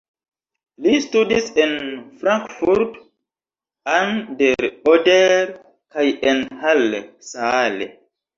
Li studis en Frankfurt an der Oder kaj en Halle (Saale).